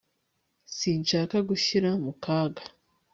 Sinshaka gushyira mu kaga